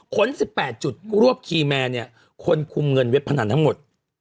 ค้น๑๘จุดรวบคีย์แมนเนี่ยคนคุมเงินเว็บพนันทั้งหมด